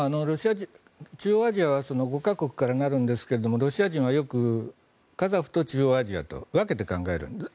中央アジアは５か国からなるんですがロシア人はよくカザフと中央アジアと分けて考えるんです。